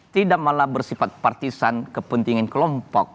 tidak malah bersifat partisan kepentingan kelompok